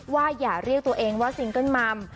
อย่าเรียกตัวเองว่าซิงเกิ้ลมัม